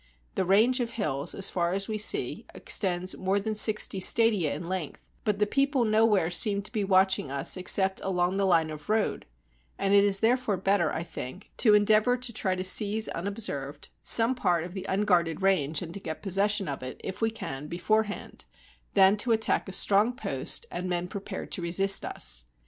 The range of hills, as far as we see, extends more than sixty stadia in length; but the people nowhere seem to be watching us except along the line of road ; and it is therefore better, I think, to endeavor to try to seize unobserved some part i68 THE TEN THOUSAND COME TO THE SEA of the unguarded range, and to get possession of it, if we can, beforehand, than to attack a strong post and men prepared to resist us.